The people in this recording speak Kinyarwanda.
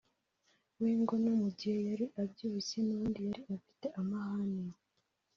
we ngo no mu gihe yari abyibushye n’ubundi yari afite amahane